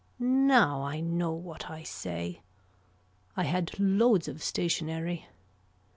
Now I know what I say. I had loads of stationary.